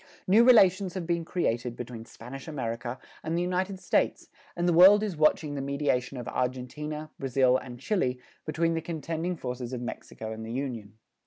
New relations have been created between Spanish America and the United States and the world is watching the mediation of Argentina, Brazil and Chile between the contending forces of Mexico and the Union.